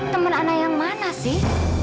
temen anak yang mana sih